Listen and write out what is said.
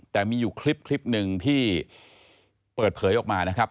แต่มีอยู่คลิปหนึ่งที่เปิดเผยออกมานะครับ